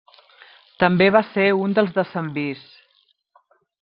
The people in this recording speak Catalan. També va ser un dels decemvirs.